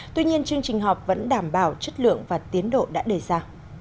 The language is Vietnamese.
tuy nhiên chương trình họp vẫn đảm bảo chất lượng và tiến độ đã đề ra